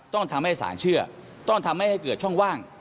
ต้องทำให้ศาลเชื่อต้องทำให้ให้เกิดช่องว่าง